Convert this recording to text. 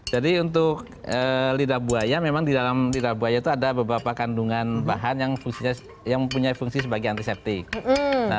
jadi untuk lidah buaya memang di dalam lidah buaya itu ada beberapa kandungan bahan yang fungsi sebagai antiseptik